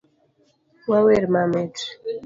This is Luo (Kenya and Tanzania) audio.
wawer mamit